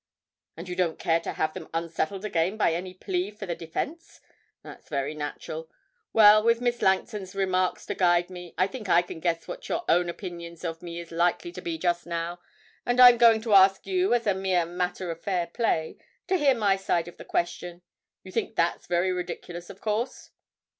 'And you don't care to have them unsettled again by any plea for the defence? That's very natural. Well, with Miss Langton's remarks to guide me, I think I can guess what your own opinion of me is likely to be just now. And I'm going to ask you, as a mere matter of fair play, to hear my side of the question. You think that's very ridiculous, of course?'